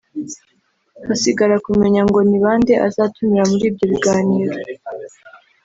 hasigara kumenya ngo nibande azatumira muri ibyo biganiro